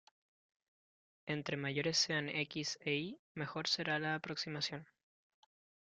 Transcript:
Entre mayores sean "x" y "y", mejor será la aproximación.